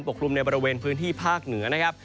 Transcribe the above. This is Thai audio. กลุ่มในบริเวณพื้นที่ภาคเหนือนะครับ